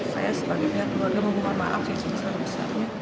saya sebagai pihak keluarga mohon maaf